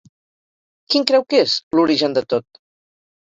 Quin creu que és l'origen de tot?